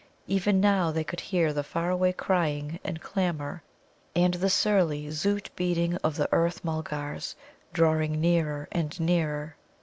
Even now they could hear the far away crying and clamour, and the surly Zōōt beating of the Earth mulgars drawing nearer and nearer.